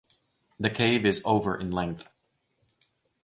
The cave is over in length.